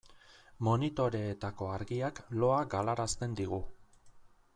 Monitoreetako argiak loa galarazten digu.